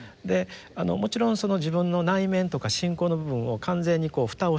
もちろん自分の内面とか信仰の部分を完全に蓋をしてね